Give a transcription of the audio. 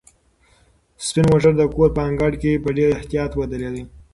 سپین موټر د کور په انګړ کې په ډېر احتیاط ودرېد.